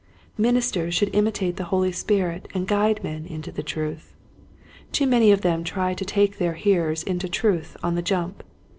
" Ministers should imitate the Holy Spirit and guide men into the truth. Too many of them try to take their hearers into truth on the jump.